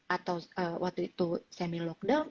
atau waktu itu semi lockdown